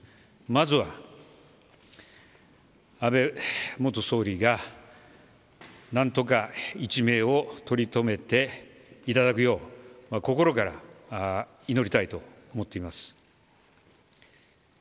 まずは、安倍元総理が何とか一命をとりとめていただくよう心から祈りたいと思っています。